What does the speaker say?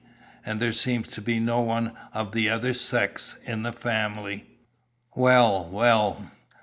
And there seems to be no one of the other sex in the family." "Well, well!"